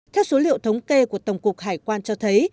theo số liệu thống kê của tổng cục hải quan cho thấy